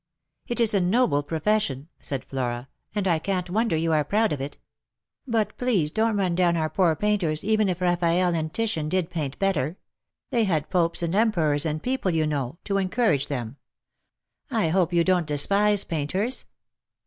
'' "It is a noble profession," said Flora, " and I can't wonder you are proud of it. But please don't run down our poor painters, even if Eaffaelle and Titian did paint better. They had popes, and emperors, and people, you know, to encourage them. I hope you don't despise painters."